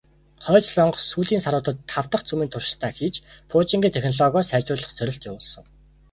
Хойд Солонгос сүүлийн саруудад тав дахь цөмийн туршилтаа хийж, пуужингийн технологио сайжруулах сорилт явуулсан.